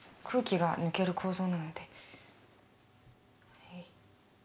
空気が抜ける構造なので。